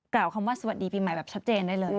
คำว่าสวัสดีปีใหม่แบบชัดเจนได้เลย